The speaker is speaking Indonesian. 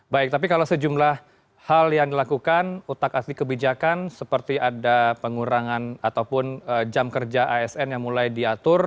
baik tapi kalau sejumlah hal yang dilakukan utak asli kebijakan seperti ada pengurangan ataupun jam kerja asn yang mulai diatur